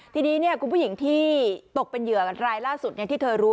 ทีนี้คุณผู้หญิงที่ตกเป็นเหยื่อรายล่าสุดที่เธอรู้